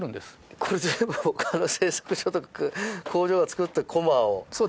これ、全部他の製作所とか工場が作ったコマを。